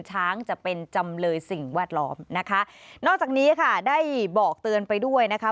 ช้างจะเป็นจำเลยสิ่งแวดล้อมนะคะนอกจากนี้ค่ะได้บอกเตือนไปด้วยนะคะ